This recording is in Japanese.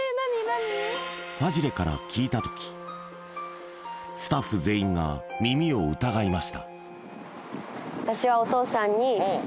ファジレから聞いた時スタッフ全員が耳を疑いました